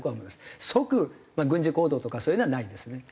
即軍事行動とかそういうのはないですね。